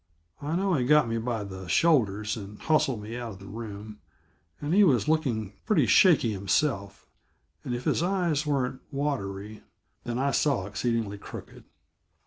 I know he got me by the shoulders and hustled me out of the room, and he was looking pretty shaky himself; and if his eyes weren't watery, then I saw exceedingly, crooked.